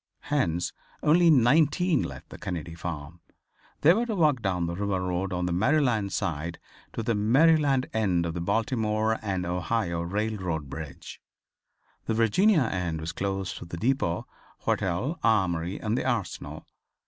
Hence only nineteen left the Kennedy farm. They were to walk down the river road on the Maryland side to the Maryland end of the Baltimore and Ohio railroad bridge. The Virginia end was close to the depot, hotel, Armory and the Arsenal.